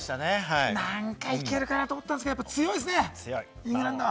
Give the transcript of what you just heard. なんかいけるかなと思ったんですけれども、強いですね、イングランドは。